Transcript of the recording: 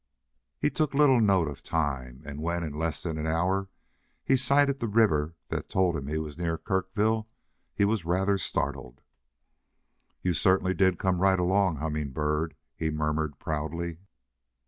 He took little note of time, and when, in less than an hour he sighted the river that told him he was near to Kirkville, he was rather startled. "You certainly did come right along, Humming Bird!" he murmured proudly.